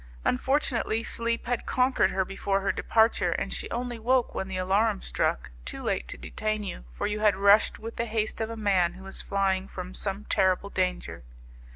Unfortunately, sleep had conquered her before your departure, and she only woke when the alarum struck, too late to detain you, for you had rushed with the haste of a man who is flying from some terrible danger.